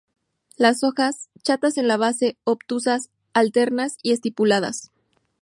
Las hojas, chatas en la base, obtusas, alternas y estipuladas.